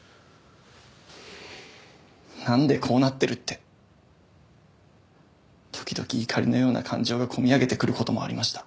なんでこうなってるって時々怒りのような感情が込み上げてくる事もありました。